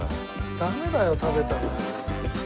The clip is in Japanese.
ダメだよ食べたら。